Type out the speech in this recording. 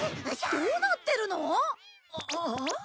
どうなってるの！？あっ？